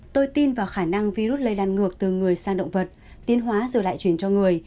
tôi tin vào khả năng virus lây lan ngược từ người sang động vật tiến hóa rồi lại chuyển cho người